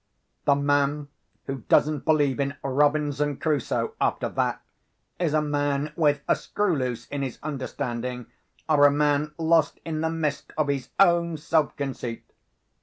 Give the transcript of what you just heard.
The man who doesn't believe in Robinson Crusoe, after that, is a man with a screw loose in his understanding, or a man lost in the mist of his own self conceit!